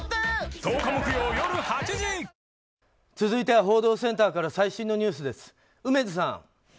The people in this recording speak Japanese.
続いては報道センターから最新ニュースです、梅津さん。